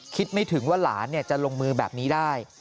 คิดไม่ถึงว่าหลานจะลงมือแบบนี้ได้